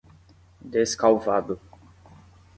Descalvado